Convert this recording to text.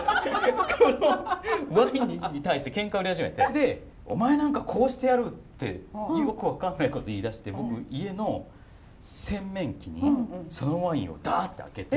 このワインに対してケンカ売り始めてで「お前なんかこうしてやる」ってよく分かんないこと言いだして僕家の洗面器にそのワインをダッて空けて。